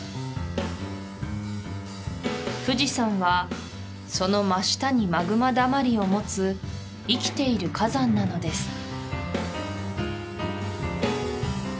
富士山はその真下にマグマ溜まりを持つ生きている火山なのです